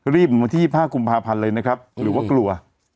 วันที่๒๕กุมภาพันธ์เลยนะครับหรือว่ากลัว